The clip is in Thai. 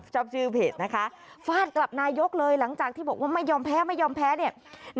ชื่อเพจนะคะฟาดกลับนายกเลยหลังจากที่บอกว่าไม่ยอมแพ้ไม่ยอมแพ้เนี่ย